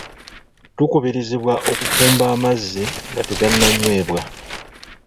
Tukubirizibwa okufumba amazzi nga tegannanyweebwa.